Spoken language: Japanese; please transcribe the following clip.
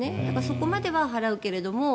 そこまでは払うけれども。